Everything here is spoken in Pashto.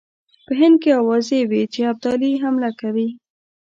په هند کې آوازې وې چې ابدالي حمله کوي.